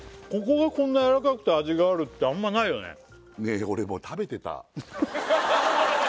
ここがこんなやわらかくて味があるってあんまないよね